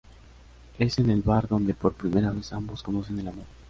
Es en el bar donde por primera vez ambos conocen el amor.